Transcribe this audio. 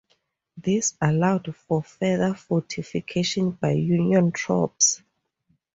This allowed for further fortification by Union troops.